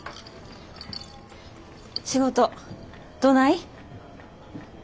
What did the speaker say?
仕事どない？